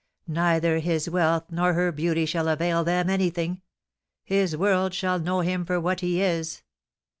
Neither his wealth nor her beauty shall avail them anything ; his world shall know him for what he is.